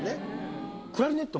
クラリネット